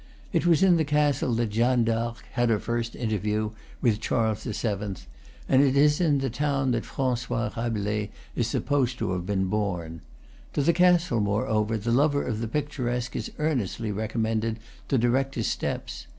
It was in the castle that Jeanne Darc ????? had her first interview with Charles VII., and it is in the town that Francois Rabelais is supposed to have been born. To the castle, moreover, the lover of the picturesque is earnestly recommended to direct his steps.